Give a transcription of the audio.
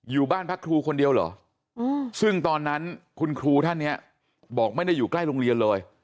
อยู่บ้านพักครูคนเดียวเหรอซึ่งตอนนั้นคุณครูท่านเนี่ยบอกไม่ได้อยู่ใกล้โรงเรียนเลย